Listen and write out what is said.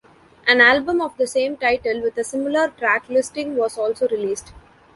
An album of the same title with a similar track listing was also released.